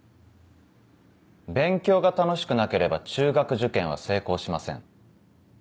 勉強が楽しくなければ中学受験は成功しません。